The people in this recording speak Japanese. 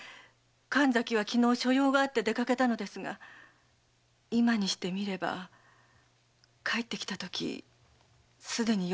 神崎は昨日所用があって出かけたのですが今にしてみれば帰ってきたとき様子はおかしかったのかも。